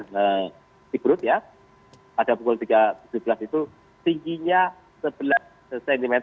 di perut ya pada pukul tiga tujuh belas itu tingginya sebelas cm